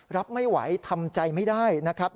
รับไม่ไหวทำใจไม่ได้นะครับ